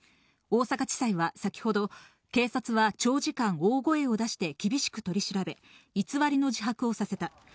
大阪地裁は先ほど、警察は長時間、大声を出して厳しく取り調べ、偽りの自白をさせた。